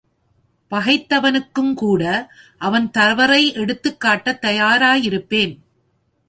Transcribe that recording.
பகைத்தவனுக்குங்கூட அவன் தவறை எடுத்துக்காட்டத் தயாராயிருப்பேன்.